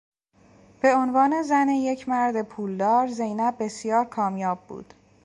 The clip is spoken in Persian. به عنوان زن یک مرد پولدار زینب بسیار کامیاب بود.